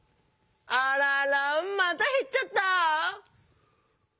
あららまたへっちゃった。